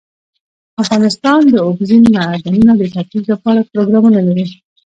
افغانستان د اوبزین معدنونه د ترویج لپاره پروګرامونه لري.